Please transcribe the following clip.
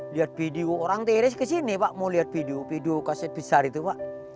lihat video orang tiris kesini pak mau lihat video video kaset besar itu pak